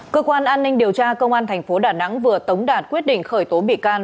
cơ quan an ninh điều tra công an tp đà nẵng vừa tống đạt quyết định khởi tố bị can